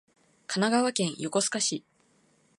神奈川県横須賀市